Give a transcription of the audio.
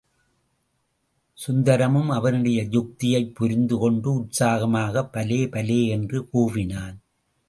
சுந்தரமும் அவனுடைய யுக்தியைப் புரிந்து கொண்டு உற்சாகமாகப் பலே, பலே என்று கூவினான்.